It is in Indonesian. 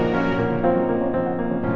tak ada penerima